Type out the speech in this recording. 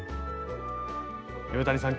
岩谷さん